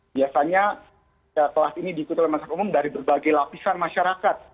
biasanya kelas ini diikuti oleh masyarakat umum dari berbagai lapisan masyarakat